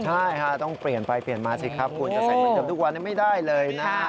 ใช่ค่ะต้องเปลี่ยนไปเปลี่ยนมาสิครับคุณจะใส่เหมือนกับทุกวันนี้ไม่ได้เลยนะฮะ